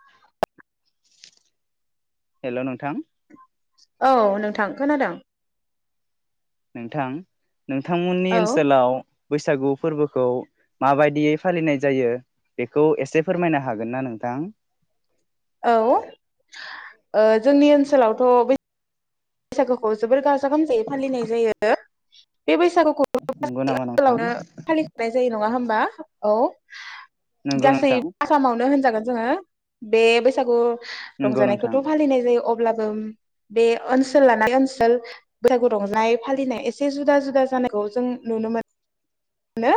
[inaudible] हेल' नोंथां। औ नोंथां खोनादों। नोंथां। नोंथांमोननि औ ओनसोलाव बैसागु फोरबोखौ माबायदियै फालिनाय जायो बेखौ एसे फोरमायनो हागोनना नोंथां? औ ओ जोंनि ओनसोलावथ' बै बैसागोखौ जोबोर गाजा गोमजायै फालिनाय जायो। [inaudible] बे बैसागुखौ नंगौ नामा नोंथां ओनसोलावनो फालिखानाय जायो नङा होमबा? औ नंगौ गासै नोंथां आसामावनो होनजागोन। जोंङो बे बैसागु नंगौ नोंथां रंजानायखौथ' फालिनाय जायो अब अब्लाबो बे ओनसोल लानानै ओनसोल बैसागु रंजानाय फालिनाय एसे जुदा जुदा जानायखौ जों नुनो मोनो। नो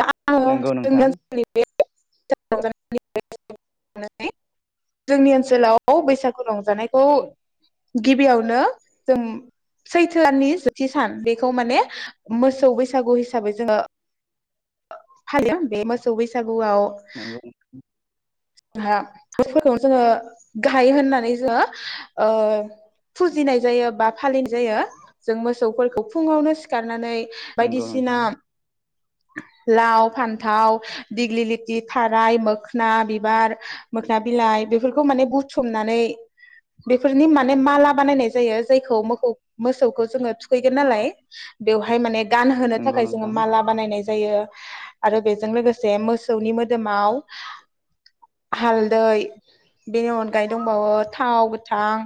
दा आन नंगौ जोंनि नोंथां ओनसोलनि बे जोंनि ओनसोलाव बैसागु रंजानायखौ गिबियावनो जों सैथो दाननि जोबथि सान बेखौ माने मोसौ बैसागु हिसाबै जोङो फालियो बे मोसौ बैसागु गुआव नंगौ हा फोरबोनो जोङो गाहाय होननानै जोङो फुजिनाय जायो बा फालिनाय जायो जों मोसौफोरखौ फुङावनो सिखारनानै नंगौ बायदिसिना नोंथां लाव फान्थाव दिग्लि लिथि थाराय मोखोना बि बिबार मोखोना बिलाइ बेफोरखौ माने बुथुमनानै बेफोरनि माने माला बानायनाय जायो जायखौ मोखौ मोसौखौ जों थुखैगोन नालाय बेवहाय माने गानहोनो नंगौ थाखाय जोङो नोंथां माला बानायनाय जायो आरो बेजों लोगोसे मोसौनि मोदोमाव हालदै बेनि अनगायै दंबावो थाव गोथां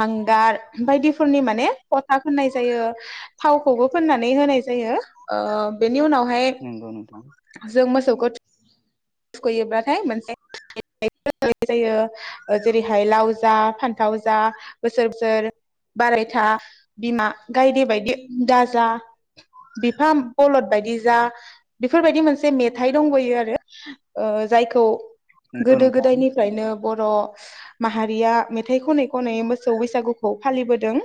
हांगार बायदिफोरनि माने फथा फोननाय जायो थावखौबो फोननानै होनाय जायो ओ बेनि उनाव हाय नंगौ नोंथां जों मोसौखौ थुखैयोब्लाथाय मोनसे मेथाइ रोजाबनाय जायो जेरैहाय लाव जा फान्थाव जा बोसोर बोसोर बारायथा बिमा गायदे बायदि दाज जा बिफा बलद बायदि जा बेफोरबायदि मोनसे मेथाइ दंबयो आरो ओ जायखौ नंगौ गोदो नोंथां गोदायनिफ्रायनो बर' माहारिया मेथाइ खनै खनै मोसौ बैसागुखौ फालिबोदों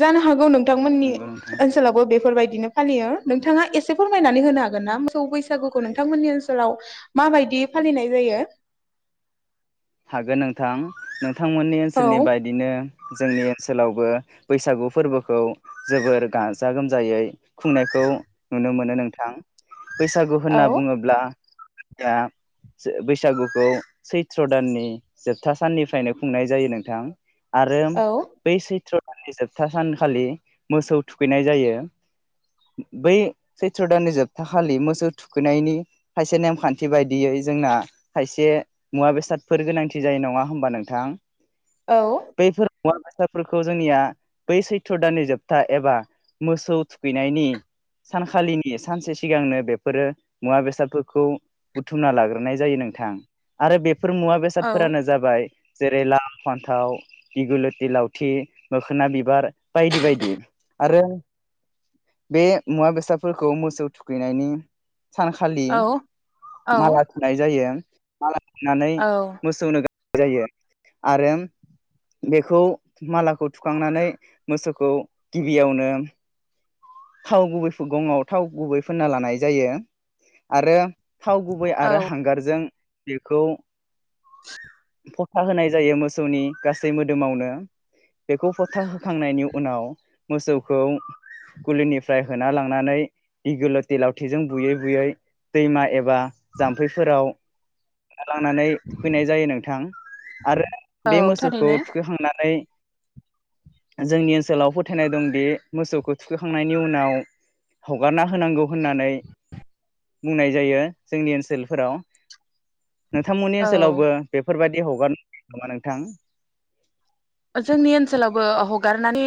जानो हागौ नों बिथांमोननि नंगौ नोंथां ओनसोलावबो बेफोरबायदि बिदिनो फालियो नोंथाङा एसे फोरमायनानै होनो हागोन ना मोसौ बैसागुखौ नोंथांमोननि ओनसो ओनसोलाव माबायदि फालिनाय जायो हागोन नोंथां नोंथांमोननि औ ओनसोलनि बायदिनो जोंनि ओनसोलावबो बैसागु फोरबोखौ जोबोर गाजा गोमजायै खुंनायखौ नुनो मोनो नोंथां बैसागु औ होनना बुङोब्ला दा बैसागुखौ सैथ्र छैत्र दाननि जोबथा साननिफ्रायनो खुंनाय जायो नोंथां। आरो औ बै चैत्र नि जोबथा सानखालि मोसौ थुखैनाय जायो बै चैत्र दाननि जोबथा खालि मोसौ थुखैनायनि खायसे नेमखान्थि बायदियै जोंना खायसे मुवा बेसाद बेसादफोर गोनांथि जायो नङा होमबा नोंथां? औ । बैफोर मुवा बेसादफोरखौ जोंनिया बै चैत्र दाननि जोबथा एबा मोसौ थुखैनायनि सानखालिनि सानसे सिगांनो बेफोरो मुवा बेसादफोरखौ बुथुमना लाग्रोनाय जायो नोंथां आरो बे बेफोर मुवा औ बेसादफोरानो जाबाय जेरै लाव, फान्थाव, इगुलथि, लावथि, मोखोना बिबार, बायदि बायदि आरो बे मुवा बेसादफोरखौ मोसौ थुखैनायनि सानखालि औ माला थुनाय जायो । माला नानै औ मोसौनो गां जायो आरो बेखौ मालाखौ थुखांनानै मोसौखौ गिबियावनो थाव गुबै गङआव थाव गुबै फोनना लानाय जायो आरो थाव गुबै आरो औ हांगारजों [unintelligible] खौ फ'था होनाय जायो मोसौनि गासै मोदोमावनो बेखौ फ'था होखांनायनि उनाव मोसौखौ गुलिनिफ्राय होना लांनानै इगोलोति लावथिजों बुयै बुयै दैमा एबा जाम्फैफोराव लांनानै थुखैनाय जायो नोंथां आरो बे औ मोसौखौ थारैनो थुखैखांनानै जोंनि ओनसोलाव फोथायनाय दंदि मोसौखौ थुखैखांनायनि उनाव हगारना होनांगौ होननानै बुंनाय जायो जोंनि ओनसोलफोराव नोंथांमोननि औ ओनसोलावबो बेफोरबाय बायदि हगारो नामा नोंथां? ओ जोंनि ओनसोलावबो हगारनानै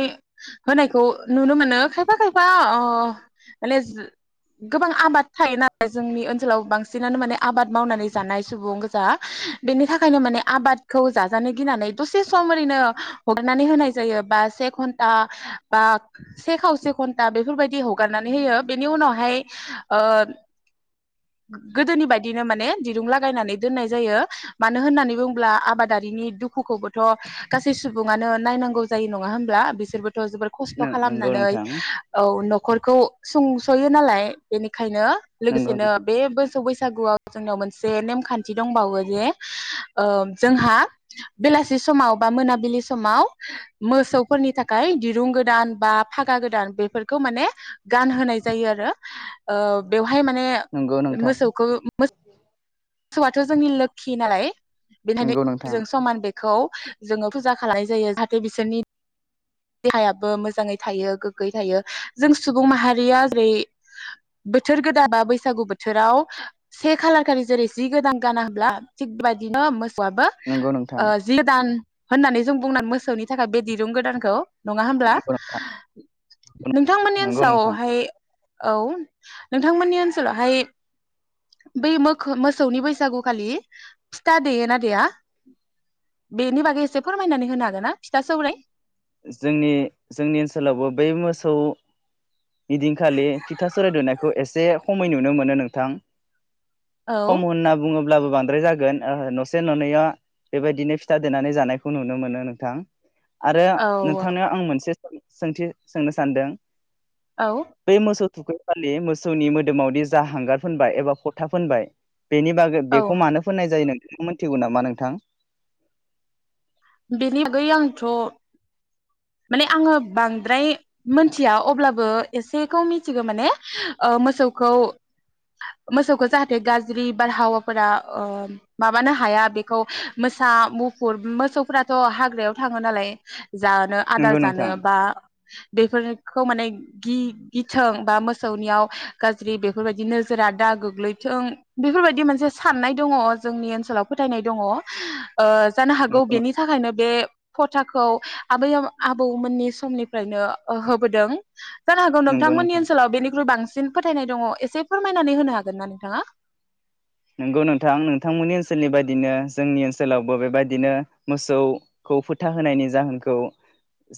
होनायखौ नुनो मोनो खायफा खायफा ओ माने जे गोबां आबाद थायोना जोंनि ओनसोलाव बांसिनानो माने आबाद मावनानै जानाय सुबुं गोजा बेनि थाखायनो माने आबादखौ जाजानो गिनानै दसे सम ओरैनो हगारनानै होनाय जायो बा से घन्टा बा से खावसे घन्टा बेफोरबायदि हगारनानै होयो बेनि उनावहाय ओ गोदोनि बायदिनो माने दिरुं लागायनानै दोननाय जायो मानो होननानै बुङोब्ला आबादारिनि दुखुखौबोथ' गासै सुबुङानो नायनांगौ जायो नङा होमब्ला बिसोरबो थ' जोबोर खस्थ' नंगौ खालामनानै नोंथां औ न' ख'रखौ सुंस'यो नालाय बेनिख खायनो नंगौ लोगोसेनो बे बोसौ बैस सागुआव जोंनाव मोनसे नेमखान्थि दंबावो जे ओ जोंहा बेलासि समाव बा मोनाबिलि समाव मोसौफोरनि थाखाय दिरुं गोदान बा फागा गोदान बेफोरखौ माने गानहोनाय जायो आरो ओ बेव हाय माने नंगौ नोंथां मोसौखौ मो सौआथ' जोंनि लोगखि नालाय बिनिखायनो नंगौ नोंथां जों समान बे खौ जोङो फुजा खालाय जायो जाहाथे बिसोरनि देहायाबो मोजाङै थायो गोग्गै थायो जों सुबुं माहारिया जेरै बोथोर गोदा बा बैसागु बोथोराव से खालार खालि जेरै जि गोदान गाना होब्ला थिग बिबादिनो मोसौ आबो नंगौ नोंथां ओ जि गोदान होननानै जों बुंना मोसौनि थाखाय बे दिरुं गोदानखौ नङा होमब्ला। नंगौ नोंथां नोंथांमोननि नंगौ नोंथां ओनसावहाय औ नोंथांमोननि ओनसोलावहाय बै मो खो मोसौनि बैसागुखालि फिथा देयोना देया बेनि बागै एसे फोरमायनानै होनो हागोन ना? फिथा सौराय जोंनि जोंनि ओनसोलावबो बै मोसौ बिदिनखालि फिथा स'राय दुनायखौ एसे खमै नुनो मोनो नोंथां। औ खम होनना बुङो ब्लाबो बांद्राय जागोन ओहो न'से न'नैया बेबायदिनो फिथा देनानै जानायखौ नुनो मोनो नोंथां। आरो औ नोंथांनियाव आं मोनसे सोंथि सोंनो सानदों। औ बै मोसौ थुखै खालि मोसौनि मोदोमावदि जा हांगार फोनबाय एबा फ'था फोनबाय बेनि बागै औ बेखौ मानो फोननाय जायो नों [unintelligible] मोनिथिगौ नामा नोंथां? बेनि बागै आंथ' माने आङो बांद्राय मोन्थिया अब्लाबो एसेखौ मिथिगौ माने मोसौखौ मोसौखौ जाहाथे गाज्रि बारहावाफोरा ओ माबानो हाया बेखौ मोसा, मुफुर मोसौ फोराथ' हाग्रायाव थाङो नालाय जानो आदार नंगौ जानो नोंथां बा बेफोरखौ माने गि-गिथों बा मोसौनियाव गाज्रि बेफोरबायदि नोजोरा दा गोग्लैथों बेफोरबायदि मोनसे साननाय दङ जोंनि ओनसोलाव फोथायनाय दङ। ओ जानो हागौ नंगौ बेनि बे फथाखौ आबै आ-आबौमोननि समनिफ्रायनो होबोदों। जानो हागौ नंगौ नोंथांमोन नोंथां ओनसोलाव बेनिख्रुइ बां सिन फोथायनाय दङ एसे फोरमायनानै होनो हागोन ना नोंथाङा? नोंगौ नोंथां, नोंथांमोननि ओनसोलनि बायदिनो जोंनि ओनसोलावबो बेबायदिनो मोसौखौ फोथा होनायनि जाहोनखौ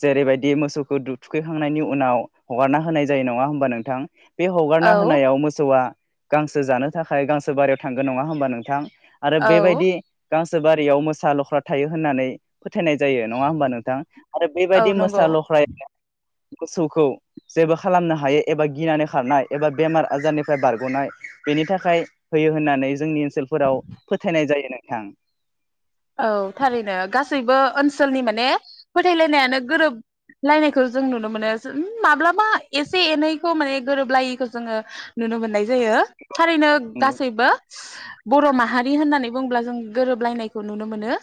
जेरैबायदि मोसौखौ थुखैखांनायनि उनाव हगारना होनाय जायो नङा होमबा नोंथां। बे हगारना औ होनायाव मोसौआ गांसो जानो थाखाय गांसो बारियाव थांगोन नङा होमबा नोंथां। आरो औ बेबायदि गांसो बारियाव मोसा लख्रा थायो होननानै फोथायनाय जायो नङा होमबा नोंथां। आरो बेबायदि औ मोसा नंगौ लख्रा मोसौखौ जेबो खालामनो हायो एबा गिनानै खारनाय एबा बेमार आजारनिफ्राय बारग'नाय बेनि थाखाय होयो होननानै जोंनि ओनसोलफोराव फोथायनाय जायो नोंथां। औ थारैनो। गासैबो ओनसोलनि माने फोथायलायनायानो गोरोबलायनायखौ जों नुनो मोनो माब्लाबा एसे एनैखौ माने गोरोबलायिखौ जोङो नुनो मोननाय जायो। थारैनो नंगौ गासैबो बर' माहारि होननानै बुंब्ला जों गोरोबलायनाय खौ नुनो मोनो।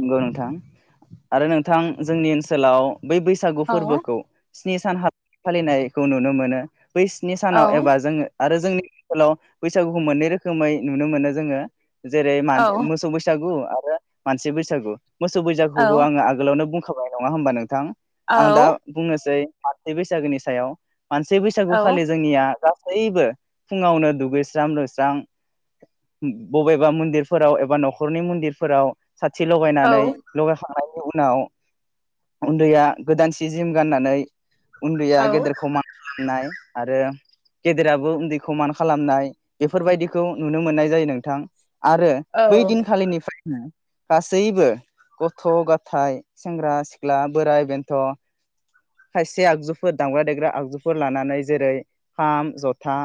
नोंगौ नोंथां। आरो नोंथां जोंनि ओनसोलाव बै बैसागु औ फोरबोखौ स्नि सान हाब फालिनायखौ नुनो मोनो बै स्नि सानाव औ एबा जोङो आरो जोंनि ओनसोलाव बैसागुखौ मोननै रोखोमै नुनो मोनो जोङो जेरै औ म मोसौ बैसागु आरो मानसि बै सागु मोसौ बैसागुखौ औ आङो आगोलावनो बुं होखाबाय नङा होनोमबा नोंथां औ आं दा बुंनोसै मानसि बैसागोनि सायाव मानसि बैसागु औ खालि जोंनिया गासैबो फुङावनो दुगैस्रां-लोबस्रां बबेबा मन्दिरफोराव एबा न'खरनि मन्दिरफोराव [unintelligible] औ लगायनानै लगायखांनाय उनाव उन्दैया गोदान सि जोम गाननानै उन्दैया औ गेदेरखौ मान होनाय आरो गेदेराबो उन्दैखौ मान खालामनाय बेफोरबायदिखौ नुनो मोननाय जायो नोंथां । आरो बै दिनखालिनिफ्राय ओम गासैबो गथ'-गथाय, सेंग्रा-सिख्ला, बोराइ-बेन्थ' खायसे आगजुफोर दामग्रा-देग्रा आगजुफोर लानानै जेरै खाम, जथा,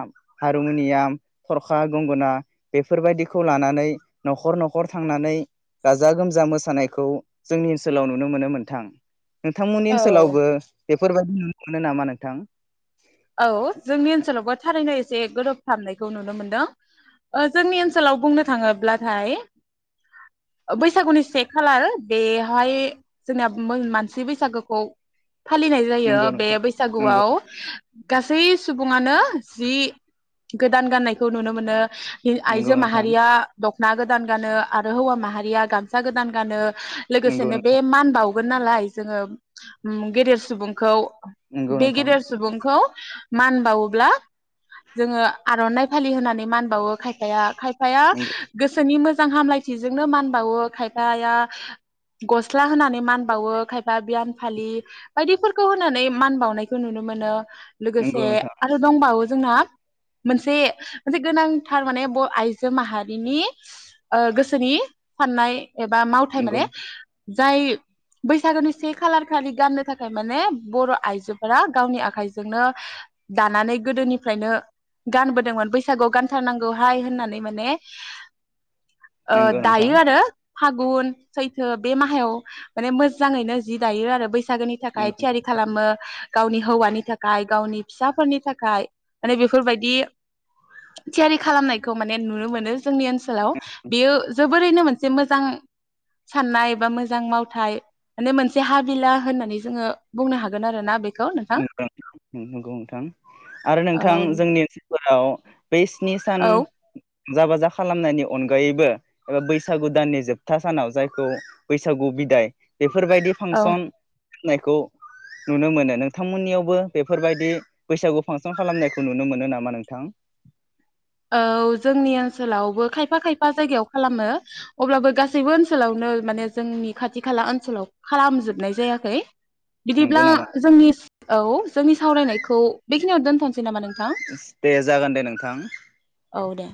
हारमुनियाम, थरखा, गंगोना बेफोरबायाददिखौ लानानै न'खर न'खर थांनानै गाजा गोमजा मोसानायखौ जोंनि ओनसोलाव नुनो मोनोम नोंथां । नोंथांमोननि औ ओनसोलावबो बेफोरबायदि नुनो मोनो नामा नोंथां? औ जोंनि ओनसोलावबो थारैनो एसे गोरोबफ्रामनायखौ नुनो मोनदों। ओ जोंनि ओनसोलाव बुंनो थाङोब्लाथाय बैसागुनि से खालार बेहाय जोंनिया मानसि बैसागोखौ फालिनाय जायो नंगौ बे नोंथां नंगौ बैसागुआव । गासै सुबुङानो जि गोदान गाननायखौ नुनो मोनो । नंगौ आइजो नोंथां माहारिया दख ना गोदान गानो आरो हौवा माहारिया गामसा गोदान गानो । नंगौ लोगोसेनो बे नोंथां मान बाव नालाय जोङो गेदेर सुबुंखौ नंगौ बे नोंथां गिदेर सुबुंखौ मान बावोब्ला जोङो आर'नाइ फालि होनानै मान बावो खायफाया खायफाया गोसोनि मोजां मोजां हामलायथिजोंनो मान बावो खायफाया गस्ला होनानै मान बावो खायफाया बियान फालि बायदिफोरखौ होनानै मान बावनायखौ नुनो मोनो । नंगौ लोगोसे नोंथां आरो दंबावो जोंना मोनसे मोनसे गोनांथार माने बर' आइजो माहारिनि ओ गोसोनि साननाय एबा मावथाय नंगौ माने जाय बैसागोनि से खालार खालि गाननो थाखाय माने बर' आइजोफोरा गावनि आखायजों [unintelligible] जोंनो दानानै गोदोनिफ्रायनो गानबोदोंमोन बैसागुआव गानथारनांगौहाय होननानै माने नंगौ नोंथां दायो आरो । फागुन सैथो बे माहायाव माने मोजाङैनो जि दायो आरो [unintelligible] बैसागोनि थाखाय नंगौ थियारि खालामो । गावनि हौवानि थाखाय थाखाय गावनि फिसाफोरनि थाखाय माने बेफोरबायदि थियारि खालामनायखौ माने नुनो मोनो जोंनि ओनसोलाव बेयो जोबोरैनो मोनसे मोजां साननाय बा मोजां मावथाय माने मोनसे हाबिला होननानै जोङो बुंनो हागोन आरो ना बेखौ । नोंथां । नंगौ नोंथां आरो नोंथां जोंनि [unintelligible] [unintelligible] बे स्नि सान औ रंजा बाजा खालामनायनि अनगायैबो एबा बैसागु दाननि जोबथा सानाव जायखौ बैसागु बिदाय बेफोरबायदि औ फांसन नायखौ नुनो मोनो नों नोंथांमोननियावबो बेफोरबायदि बैसागु फांसन खालामनायखौ नुनो मोनो नामा नोंथां औ जोंनि ओनसोलावबो खायफा खायफा खायफा जायगायाव खालामो अब्लाबो गासैबो ओनसोलावनो माने जोंनि खाथि खाला ओनसोलाव खालामजोबनाय जायाखै नंगौ बिदिब्ला नामा जोंनि औ जोंनि सावरायनायखौ बेखिनियाव दोनथ दे जागोन दे नोंथां औ दे